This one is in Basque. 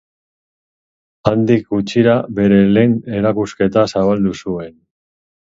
Handik gutxira bere lehen erakusketa zabaldu zuen.